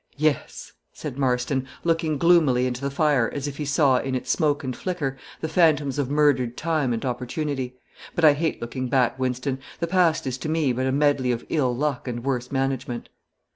"Yes," said Marston, looking gloomily into the fire, as if he saw, in its smoke and flicker, the phantoms of murdered time and opportunity; "but I hate looking back, Wynston. The past is to me but a medley of ill luck and worse management."